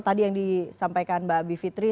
tadi yang disampaikan mbak bivitri